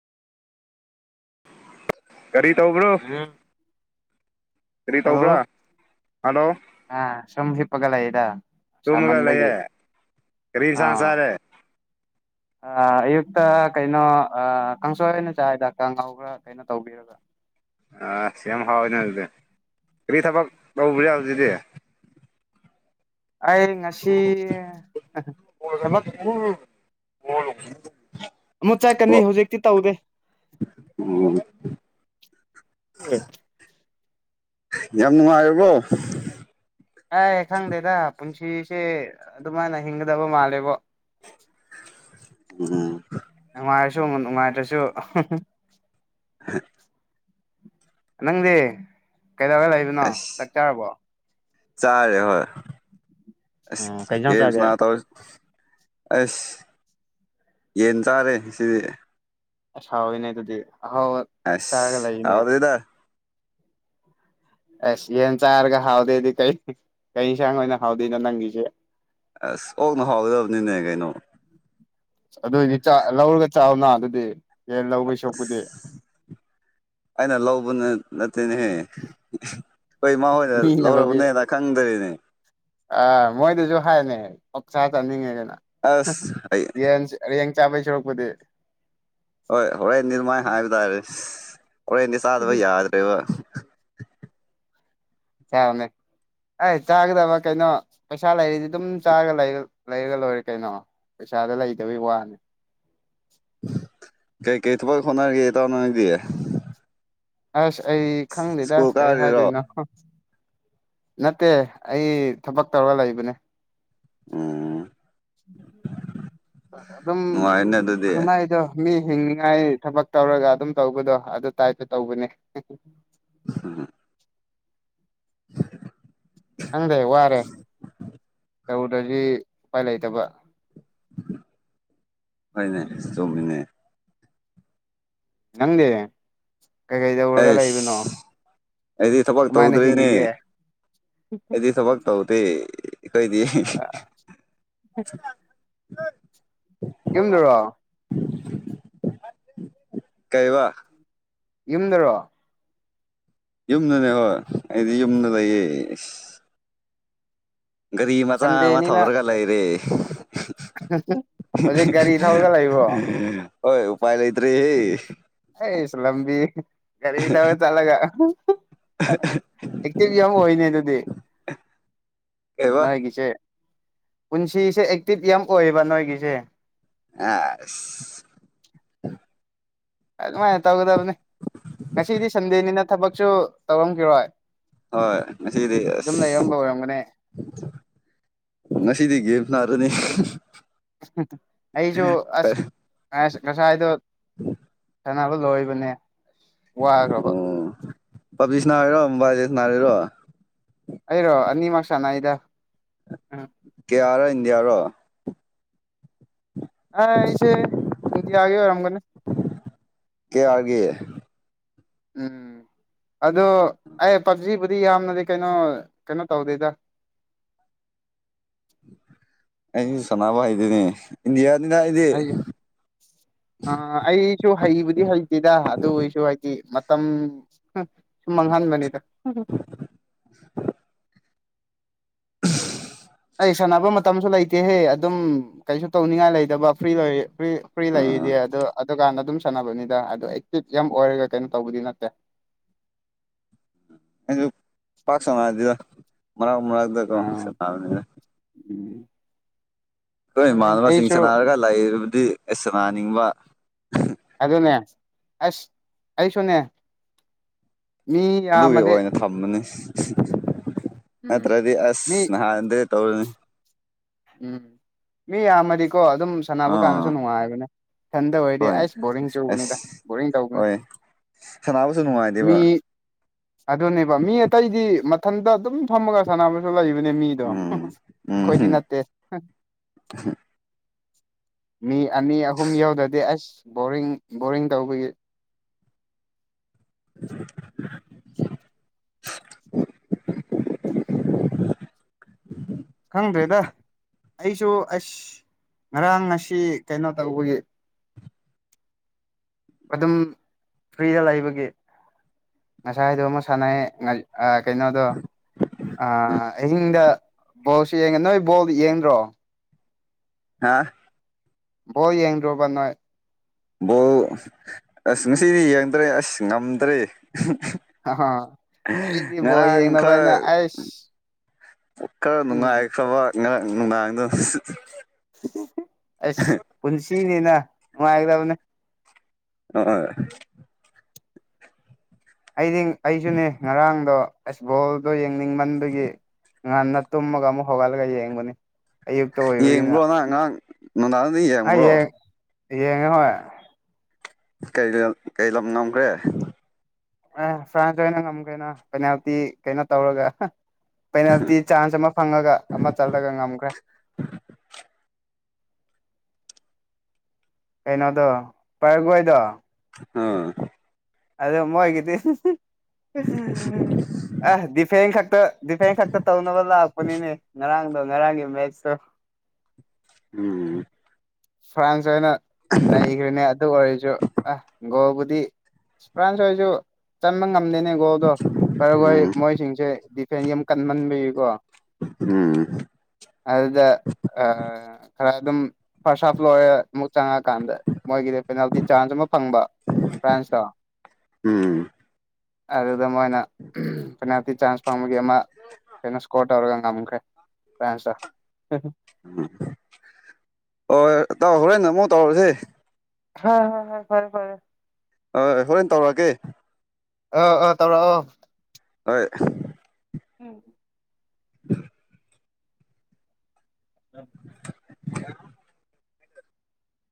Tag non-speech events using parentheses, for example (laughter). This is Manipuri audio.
ꯀꯔꯤ ꯇꯧꯕ꯭ꯔꯣ ꯎꯝ ꯀꯔꯤ ꯇꯧꯕ꯭ꯔ ꯑ ꯁꯨꯝ ꯍꯞꯄꯒꯂ ꯏꯗ ꯁꯃꯟꯒꯤ ꯀꯔꯤꯝ ꯁꯁꯔꯦ ꯑꯌꯨꯛꯇ ꯀꯩꯅꯣ ꯀꯥꯡꯁꯣꯏꯅ ꯆ ꯍꯤꯗꯥꯛꯀ ꯉꯧꯕ꯭ꯔꯥ ꯀꯩꯅꯣ ꯇꯧꯕꯤꯔꯕ ꯑ ꯌꯥꯝ ꯍꯥꯎꯋꯤꯅꯦ ꯑꯗꯨꯗꯤ ꯀꯔꯤ ꯊꯕꯛ ꯇꯧꯕ꯭ꯔꯥ ꯍꯧꯖꯤꯛꯗꯤ ꯑꯩ ꯉꯁꯤ ꯊꯕꯛ ꯍꯂꯣ ꯑꯃꯨꯛ ꯆꯠꯀꯅꯤ ꯍꯧꯖꯤꯛꯇꯤ ꯇꯧꯗꯦ ꯎꯝ ꯎꯝ ꯌꯥꯝꯅꯨꯡꯉꯥꯏ ꯌꯒꯣ ꯑ ꯁꯪꯗꯦꯗ ꯄꯨꯟꯁꯤꯁꯦ ꯑꯗꯨꯃꯥꯏꯅ ꯍꯤꯡꯗꯕꯣ ꯃꯥꯂꯦꯕꯣ ꯎꯝ ꯅꯨꯡꯉꯥꯏꯔꯁꯨ ꯅꯨꯡꯉꯥꯏꯇ꯭ꯔꯁꯨ ꯍ ꯅꯪꯗꯤ ꯀꯩꯗꯧꯔ ꯂꯩꯕꯅꯣ ꯑꯁ ꯇꯛꯆꯔꯕꯣ ꯆꯥꯔꯦ ꯍꯣꯏ ꯑꯁ ꯑꯣ ꯀꯩ ꯏꯟꯖꯥꯡ ꯆꯥꯒꯦ ꯒꯦꯝꯁꯅ ꯇꯧꯔꯤꯁꯤ ꯑꯁ ꯌꯦꯟ ꯆꯥꯔꯦ ꯁꯤꯗꯤ ꯑꯁ ꯍꯥꯎꯋꯤꯅꯦ ꯑꯗꯨꯗꯤ ꯑꯍꯥꯎ ꯆꯥꯔꯒ ꯑꯁ ꯂꯩꯔꯤꯅꯦ ꯍꯥꯎꯇꯦꯗ ꯑꯁ ꯌꯦꯟ ꯆꯥꯔꯒ ꯍꯥꯎꯗꯦꯗꯤ ꯀꯩ ꯀꯩ ꯏꯟꯁꯥꯡ ꯑꯣꯏꯅ ꯍꯥꯎꯗꯣꯏꯅꯣ ꯅꯪꯒꯤꯁꯦ ꯑꯁ ꯑꯣꯛꯅ ꯍꯥꯎꯒꯗꯕꯅꯤꯅꯦ ꯀꯩꯅꯣ ꯑꯗꯨꯏꯗꯤ ꯂꯧꯔꯒ ꯆꯥꯛꯅ ꯑꯗꯨꯗꯤ ꯍ ꯂꯧꯕꯩ ꯑꯁ ꯁꯣꯛꯄꯨꯗꯤ ꯑꯩꯅ ꯂꯧꯕ ꯅꯠꯇꯦꯅꯦꯍꯦ ꯑꯩꯣꯏꯃ ꯍꯣꯏꯅ ꯃꯤꯅ ꯂꯧꯕꯤ ꯂꯧꯔꯔꯕꯅꯦꯅ ꯈꯪꯗ꯭ꯔꯤꯅꯦ ꯑꯥ ꯃꯣꯏꯗꯁꯨ ꯍꯥꯏꯅꯦ ꯑꯣꯞꯁꯥ ꯆꯥꯅꯤꯡꯉꯤꯗꯅ ꯑꯁ ꯑꯩ ꯌꯦꯟ ꯆꯥꯕꯩ ꯁꯔꯛꯄꯗꯤ ꯍꯣꯏ ꯍꯣꯔꯦꯟ ꯅꯤꯔꯃꯥꯏ ꯍꯥꯏꯕ ꯇꯥꯏꯔꯦ ꯀꯗꯤ ꯁꯥꯗꯕ ꯌꯥꯗ꯭ꯔꯦꯕ ꯌꯥꯃꯦ ꯑꯦ ꯆꯥꯒꯗꯕ ꯀꯩꯅꯣ ꯄꯩꯁꯥ ꯂꯩꯔꯤꯗꯤ ꯑꯗꯨꯝ ꯆꯥ ꯂꯩꯔꯒ ꯂꯣꯏꯔꯦ ꯀꯩꯅꯣ ꯄꯩꯁꯥꯗ ꯂꯩꯗꯕꯩ ꯋꯥꯅꯤ (inaudible) (unintelligible) ꯀꯩꯀꯩ ꯊꯕꯛ ꯍꯣꯠꯅꯔꯤꯒꯦ ꯇꯥꯎꯅꯉꯗꯤꯌꯦ ꯑꯁ ꯑꯩ ꯈꯪꯗꯦꯗ ꯀꯩ ꯀꯥꯔꯤꯔꯣ ꯍꯥꯏꯗꯣꯏꯅꯣ ꯅꯠꯇꯦ ꯑꯩ ꯊꯕꯛ ꯇꯧꯔꯒ ꯂꯩꯕꯅꯦ ꯑꯣ ꯑꯗꯨꯝ ꯅꯨꯡꯉꯥꯏꯅꯦ ꯑꯗꯨꯗꯤ ꯈꯪꯅꯗꯣ ꯃꯤ ꯍꯤꯡꯉꯥꯏ ꯊꯕꯛ ꯇꯧꯔꯒ ꯑꯗꯨꯝ ꯇꯧꯕꯗꯣ ꯑꯗꯨ ꯇꯥꯏꯞꯇ ꯇꯧꯕꯅꯦ ꯑ ꯈꯪꯗꯦ ꯋꯥꯔꯦ ꯇꯔꯨꯗ꯭ꯔꯗꯤ ꯎꯄꯥꯏ ꯂꯩꯇꯕ ꯍꯣꯏꯅꯦꯣꯡꯃꯤꯅꯦ ꯅꯪꯗꯤ ꯀꯩꯀꯩ ꯇꯧꯔꯒ ꯂꯩꯕꯅꯣ ꯑꯩꯁ ꯑꯩꯗꯤ ꯊꯕꯛ ꯀꯃꯥꯏꯅ ꯇꯧꯗ꯭ꯔꯤꯅꯦ ꯍꯤꯡꯉꯤꯒꯦ ꯑꯩꯗꯤ ꯊꯕꯛ ꯇꯧꯗꯦ ꯀꯣꯏꯗꯤ ꯌꯨꯝꯗꯔꯣ ꯀꯩ ꯋꯥ ꯌꯨꯝꯗꯔꯣ ꯌꯨꯝꯗꯅꯦ ꯍꯣꯏ ꯑꯩꯗꯤ ꯌꯨꯝꯗ ꯂꯩꯌꯦꯁ ꯒꯥꯔꯤ ꯃꯆꯥ ꯑꯃ ꯁꯟꯗꯦꯅꯤꯅ ꯊꯧꯔꯒ ꯂꯩꯔꯦ ꯍꯧꯖꯤꯛ ꯒꯥꯔꯤ ꯊꯧꯔꯒ ꯂꯩꯕ꯭ꯔꯣ ꯍꯣꯏ ꯎꯄꯥꯏ ꯂꯩꯇꯔꯤ ꯑꯁ ꯂꯝ ꯂꯝꯕꯤ ꯔꯤ ꯊꯕ ꯆꯂꯒ ꯑꯦꯛꯇꯤꯚ ꯌꯥꯝ ꯑꯣꯏꯅꯦ ꯑꯗꯨꯗꯤ ꯀꯩꯕ ꯅꯏꯒꯤꯁꯦ ꯄꯨꯟꯁꯤꯁꯦ ꯑꯦꯛꯇꯤꯚ ꯌꯥꯝ ꯑꯣꯏꯌꯦꯕ ꯅꯣꯏꯒꯤꯁꯦ ꯑꯁ ꯑꯗꯨꯃꯥꯏꯅ ꯇꯧꯒꯗꯕꯅꯤ ꯉꯁꯤꯗꯤ ꯁꯟꯗꯦꯅꯤꯅ ꯊꯕꯛꯁꯨ ꯇꯧꯔꯝꯈꯤꯔꯣꯏ ꯍꯣꯏ ꯑꯁꯤꯗꯤ ꯑꯗꯨꯝ ꯂꯩꯔꯝꯕ ꯑꯣꯏꯔꯝꯒꯅꯤ ꯉꯁꯤꯗꯤ ꯒꯦꯝ ꯅꯥꯔꯅꯤ ꯑꯩꯁꯨ ꯑꯁ ꯑꯁ ꯉꯁꯥꯏꯗꯣ ꯁꯅꯣ ꯂꯣꯏꯕꯅꯦ ꯋꯥꯈ꯭ꯔꯕ ꯑꯣ ꯄꯕꯂꯤꯁ ꯅꯥꯔꯔꯣ ꯃꯣꯕꯥꯏꯜꯁ ꯅꯥꯔꯔꯣ ꯑꯩꯔꯣ ꯑꯅꯤꯃꯛ ꯁꯥꯟꯅꯩꯗ ꯎꯝ ꯀꯦꯌꯥꯔ ꯏꯟꯗꯤꯌꯥꯔꯣ ꯑ ꯏꯁꯦ ꯏꯪꯒꯦꯔꯒ ꯀꯦꯌꯥꯔꯒꯤꯦ ꯎꯝ ꯑꯗꯣ ꯑꯦ ꯄꯞꯖꯤꯕꯨꯗꯤ ꯌꯥꯝꯅꯗꯤ ꯀꯩꯅꯣ ꯀꯩꯅꯣ ꯇꯧꯗꯦꯗ (inaudible) (unintelligible) ꯑꯩ ꯁꯅꯥꯕ ꯍꯥꯏꯗꯅꯤ ꯏꯟꯗꯤꯌꯥꯅꯤꯅ ꯏꯗꯤ ꯑꯩ ꯑꯩꯁꯨ ꯍꯩꯕꯨꯗꯤ ꯍꯩꯇꯦꯗ ꯑꯗꯨ ꯑꯣꯏꯔꯁꯨ ꯍꯥꯏꯗꯤ ꯃꯇꯝ ꯁꯨꯝ ꯃꯥꯡꯍꯟꯕꯅꯤꯗ (inaudible) (unintelligible) ꯁꯅꯕ ꯃꯇꯝꯁꯨ ꯂꯩꯇꯦꯍꯦ ꯑꯗꯨꯝ ꯀꯩꯁꯨ ꯇꯧꯅꯤꯡꯉꯥꯏ ꯂꯩꯇꯕ ꯐ꯭ꯔꯤ ꯂꯔ ꯔꯤ ꯐ꯭ꯔꯤ ꯑꯥ ꯂꯩꯗꯤ ꯑꯗꯨ ꯑꯗꯨꯀꯥꯟꯗ ꯑꯗꯨꯝ ꯁꯥꯟꯅꯕꯅꯤꯗ ꯑꯗꯣ ꯑꯦꯛꯇꯤꯚ ꯌꯥꯝ ꯑꯣꯏꯔꯒ ꯀꯩꯅꯣ ꯇꯧꯕꯗꯤ ꯅꯠꯇꯦ (unintelligible) (unintelligible) ꯑꯩꯁꯨ ꯄꯥꯛ ꯁꯅꯁꯤꯗ ꯃꯔꯥꯛ ꯑ ꯃꯔꯥꯛꯛꯇꯀꯣ ꯁꯕꯅꯤꯗ ꯎꯝ ꯑꯩꯈꯣꯏ ꯑꯗꯨꯅꯦ ꯏꯃꯥꯟꯅꯕꯁꯤꯡ ꯑꯩꯁꯨ ꯁꯥꯟꯅꯔꯒ ꯂꯩꯗꯤ ꯑꯁ ꯁꯥꯟꯅꯅꯤꯡꯕ ꯑꯗꯨꯅꯦ ꯑꯁ ꯑꯩꯁꯨꯅꯦ ꯃꯤ ꯑꯗꯨꯒꯤ ꯌꯥꯝꯃꯗꯤ ꯑꯣꯏꯅ ꯊꯝꯃꯅꯤ ꯎꯝ ꯅꯠꯇ꯭ꯔꯗꯤ ꯃꯤ ꯑꯁ ꯅꯍꯥꯟꯗ ꯇꯧꯔꯅꯤ ꯎꯝ ꯃꯤ ꯌꯥꯃꯔꯤ ꯀꯣ ꯑꯗꯨꯝ ꯁꯥꯟꯅꯕ ꯑꯥ ꯀꯥꯟꯗꯁꯨ ꯅꯨꯡꯉꯥꯏꯕꯅꯦ ꯁꯟꯗ ꯑꯣꯏꯔꯗꯤ ꯍꯣꯏ ꯑꯩꯁ ꯕꯣꯔꯤꯡ ꯆꯕꯅꯤꯗ ꯕꯣꯔꯤꯡ ꯇꯧꯕꯅꯦ ꯍ ꯃꯤ ꯑꯗꯨꯅꯦꯕ ꯃꯤ ꯑꯇꯩꯗꯤ ꯃꯊꯟꯗ ꯑꯗꯨꯝ ꯐꯝꯃꯒ ꯁꯥꯟꯅꯕꯁꯨ ꯂꯩꯕꯅꯦ ꯃꯤꯗꯣ ꯎꯝ ꯑꯩꯈꯣꯏꯗꯤ ꯎꯝ ꯇ ꯃꯤ ꯑꯅꯤ ꯑꯍꯨꯝ ꯌꯧꯗꯗꯤ ꯑꯁ ꯕꯣꯔꯤꯡ ꯕꯣꯔꯤꯡ ꯇꯧꯕꯒꯤ (inaudible) (unintelligible) ꯈꯪꯗ꯭ꯔꯦꯗ ꯑꯩꯁꯨ ꯑꯁ ꯉꯔꯥꯡ ꯉꯁꯤ ꯀꯩꯅꯣ ꯇꯧꯕꯒꯤ ꯑꯗꯨꯝ ꯐ꯭ꯔꯤꯗ ꯂꯩꯕꯒꯤ ꯉꯁꯥꯏ ꯍꯥꯏꯗꯣ ꯑꯃ ꯁꯥꯟꯅꯩ ꯀꯩꯅꯣꯗꯣ ꯑ ꯑꯍꯤꯡꯗ ꯕꯣꯜꯁꯨ ꯌꯦꯡꯒꯦ ꯅꯣꯏ ꯕꯣꯜꯗꯨ ꯌꯦꯡꯗ꯭ꯔꯣ ꯍꯥꯥ ꯕꯣ ꯌꯦꯡꯗꯣꯕ ꯅꯣꯏ ꯕꯣ ꯑꯁ ꯉꯁꯤꯗꯤ ꯌꯦꯡꯗ꯭ꯔꯦ ꯑꯁ ꯉꯝꯗ꯭ꯔꯦ ꯑꯍ ꯑꯩꯗꯤ ꯕꯣꯜ ꯉꯔꯥꯡ ꯌꯦꯡꯅꯕꯅ ꯈꯔ ꯑꯩꯁ ꯈꯔ ꯎꯝ ꯅꯨꯡꯉꯥꯏꯈ꯭ꯔꯕ ꯉꯔꯥꯡ ꯅꯨꯡꯗꯥꯡꯗ ꯑꯁ ꯄꯨꯟꯁꯤꯅꯤꯅ ꯅꯨꯡꯉꯥꯏꯒꯗꯕꯅꯦ ꯑ ꯑꯩꯗꯤ ꯑꯩꯁꯨꯅꯦ ꯉꯔꯥꯡꯗꯣ ꯑꯁ ꯕꯣꯜꯗꯣ ꯌꯦꯡꯅꯤꯡꯕꯟꯗꯨꯒꯤ ꯉꯟꯅ ꯇꯨꯝꯃꯒ ꯑꯃꯨꯛ ꯍꯧꯒꯠꯂꯒ ꯌꯦꯡꯕꯅꯤ ꯑꯌꯨꯛꯇ ꯑꯣꯏꯕꯒꯤꯅ ꯌꯦꯡꯕ꯭ꯔꯣ ꯅꯪ ꯉꯔꯥꯡ ꯅꯨꯡꯗꯥꯡꯗꯤ ꯌꯦꯡꯕ꯭ꯔꯣ ꯑꯩꯌꯦ ꯌꯦꯉ ꯍꯣꯏ ꯀꯩ ꯂꯝ ꯉꯝꯈ꯭ꯔꯦ ꯑꯦ ꯐ꯭ꯔꯥꯟꯁ ꯑꯣꯏꯅ ꯉꯝ ꯀꯦꯩꯅꯣ ꯄꯦꯅꯥꯜꯇꯤ ꯀꯩꯅꯣ ꯇꯧꯔꯒ ꯄꯦꯅꯥꯜꯇꯤ ꯆꯥꯟꯁ ꯑꯃ ꯐꯪꯉꯒ ꯑꯃ ꯆꯠꯂꯒ ꯉꯝꯈ꯭ꯔꯦ ꯑꯩꯅꯗꯣ ꯄꯔꯒꯣꯏꯗꯣ ꯑ ꯑꯗꯝꯕꯗꯤ ꯑꯁ ꯗꯤꯐꯦꯟ ꯈꯛꯇ ꯗꯤꯐꯦꯟ ꯈꯛꯇ ꯇꯧꯅꯕ ꯂꯥꯛꯄꯅꯤꯅꯦ ꯉꯔꯥꯡꯗ ꯉꯔꯥꯡꯒꯤꯦ ꯃꯁꯨ ꯎꯝ ꯐ꯭ꯔꯥꯟꯁ ꯑꯣꯏꯅ ꯅꯩꯈ꯭ꯔꯦꯅꯦ ꯑꯗꯨ ꯑꯣꯏꯔꯁꯨ ꯑ ꯒꯣꯜꯕꯨꯗꯤ ꯐ꯭ꯔꯥꯟꯁ ꯔꯁꯨ ꯆꯃ ꯅꯅꯦꯀꯣ ꯑꯗꯣ ꯈꯔ ꯍꯣꯏ ꯎꯝ ꯃꯣꯏꯁꯤꯡꯁꯦ ꯗꯤꯐꯦꯟꯁ ꯌꯥꯝ ꯀꯟꯍꯟꯕꯤꯀꯣ ꯎꯝ ꯑꯗꯨꯗ ꯑ ꯈꯔ ꯑꯗꯨꯝ ꯐꯥꯔꯁ ꯍꯥꯞ ꯂꯣꯏꯔꯦ ꯑꯃꯨꯛ ꯆꯪꯉꯀꯥꯟꯗ ꯃꯣꯏꯒꯤꯗꯤ ꯄꯦꯅꯥꯜꯇꯤ ꯆꯥꯟꯁ ꯑꯃ ꯐꯪꯕ ꯐ꯭ꯔꯥꯟꯁꯇ ꯎꯝ ꯑꯗꯨꯗ ꯃꯣꯏꯅ ꯐꯅꯥꯇꯤ ꯆꯥꯟꯁ ꯐꯪꯕꯒꯤ ꯑꯃ ꯀꯩꯅꯣ ꯏꯁꯀꯣꯔ ꯇꯧꯔꯒ ꯉꯝꯈ꯭ꯔꯦ ꯐꯁ (inaudible) (unintelligible) ꯍꯣꯏꯣꯏ ꯇꯧ ꯍꯣꯔꯦꯟ ꯅ ꯑꯃꯨꯛ ꯇꯧꯔꯁꯦ ꯍ ꯍ ꯍ ꯍꯔꯦ ꯍꯔꯦ (unintelligible) (inaudible) ꯑ ꯍꯣꯔꯦꯟ ꯇꯧꯔꯛꯑꯒꯦ ꯑ ꯑꯥ ꯇꯧꯔꯛꯑꯣ (inaudible) (unintelligible) ꯍꯣꯏ (unintelligible) (inaudible) ꯎꯝ (inaudible) (unintelligible) (inaudible) ꯎꯝ (inaudible) (unintelligible) (inaudible)